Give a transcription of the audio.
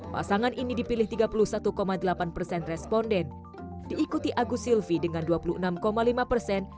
pasangan ini dipilih tiga puluh satu delapan persen responden diikuti agus silvi dengan dua puluh enam lima persen